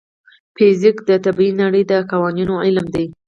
فزیک د طبیعي نړۍ د قوانینو علم دی.